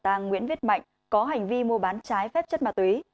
tàng nguyễn viết mạnh có hành vi mua bán trái phép chất ma túy